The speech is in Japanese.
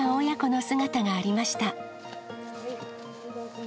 親子の姿がありました。